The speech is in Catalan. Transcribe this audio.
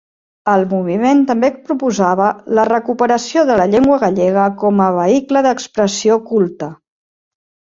El moviment també proposava la recuperació de la llengua gallega com a vehicle d'expressió culte.